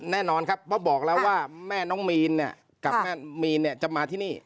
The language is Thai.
แน่นอนครับเพราะบอกแล้วว่าแม่น้องมีนเนี่ยกับแม่มีนเนี่ยจะมาที่นี่